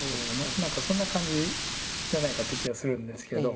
何かそんな感じじゃないかって気がするんですけど。